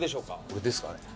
これですかね。